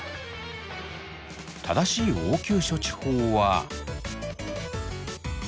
正しい応急処置法は。